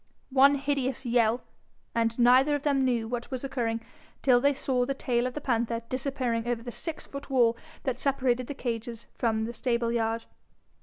One hideous yell and neither of them knew what was occurring till they saw the tail of the panther disappearing over the six foot wall that separated the cages from the stableyard.